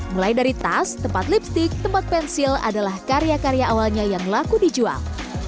mulai dari tas tempat lipstick tempat pensil adalah karya karya awalnya yang laku dijual